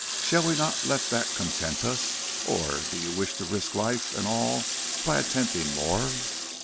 Shall we not let that content us, or do you wish to risk life and all by attempting more?"